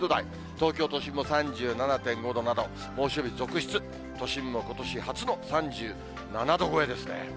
東京都心も３７．５度など猛暑日続出、ことし初の３７度超えですね。